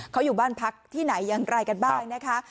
เขาอยู่บ้านพักที่ไหนอย่างไรกันบ้างนะคะ